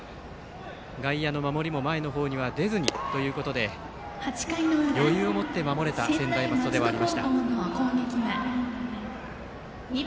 外野の守りも前の方に出ずにということで余裕を持って守れた専大松戸ではありました。